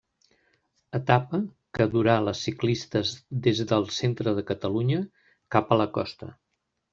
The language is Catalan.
Etapa que durà les ciclistes des del centre de Catalunya cap a la costa.